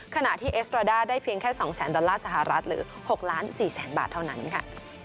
ขณะที่เอสตราด้าได้เพียงแค่๒แสนดอลลาร์สหรัฐหรือ๖ล้าน๔แสนบาทเท่านั้นค่ะ